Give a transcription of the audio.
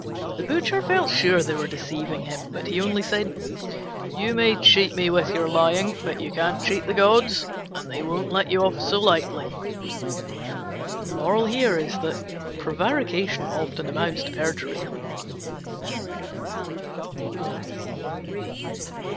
The Butcher felt sure they were deceiving him, but he only said, "You may cheat me with your lying, but you can't cheat the gods, and they won't let you off so lightly." Prevarication often amounts to perjury.